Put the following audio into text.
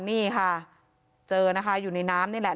นี่ค่ะเจอนะคะอยู่ในน้ำนี่แหละ